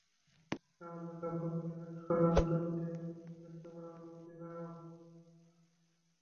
আমাদের লক্ষ্যকে এক শব্দে ব্যক্ত করার অনুমতি দাও!